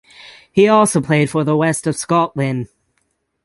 He also played for West of Scotland.